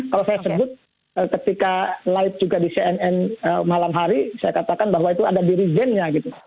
kalau saya sebut ketika live juga di cnn malam hari saya katakan bahwa itu ada dirijennya gitu